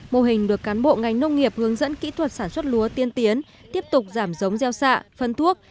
mô hình được cán bộ ngành nông nghiệp hướng dẫn kỹ thuật sản xuất lúa tiên tiến tiếp tục giảm giống gieo xạ phân thuốc